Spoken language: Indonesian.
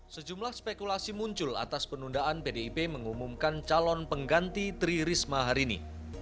sejumlah spekulasi muncul atas penundaan pdip mengumumkan calon pengganti tri risma hari ini